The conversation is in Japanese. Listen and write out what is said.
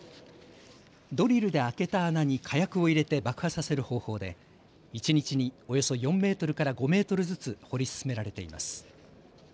ドリルで開けた穴に火薬を入れて爆破させる方法で一日におよそ４メートルから５メートルずつ掘り進められています。